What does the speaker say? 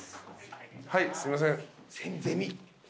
はいすいません。